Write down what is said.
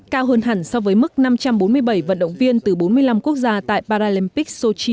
cao hơn hẳn so với mức năm trăm bốn mươi bảy vận động viên từ bốn mươi năm quốc gia tại paralympics sochi hai nghìn một mươi bốn